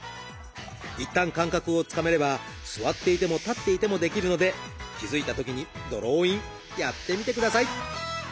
いったん感覚をつかめれば座っていても立っていてもできるので気付いたときにドローインやってみてください！